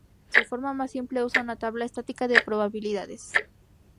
Su forma más simple usa una tabla estática de probabilidades.